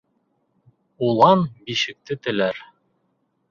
Улан бишекте теләр.